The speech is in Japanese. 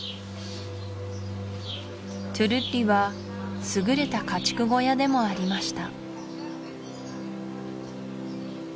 トゥルッリは優れた家畜小屋でもありました